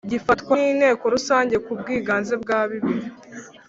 gifatwa n Inteko Rusange ku bwiganze bwa bibiri